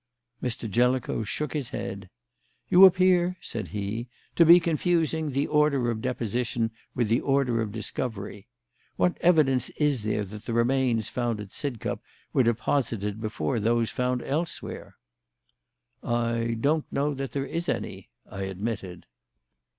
Mr. Jellicoe shook his head. "You appear," said he, "to be confusing the order of deposition with the order of discovery. What evidence is there that the remains found at Sidcup were deposited before those found elsewhere?" "I don't know that there is any," I admitted.